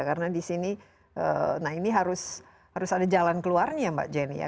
karena di sini nah ini harus ada jalan keluarnya ya mbak jenny ya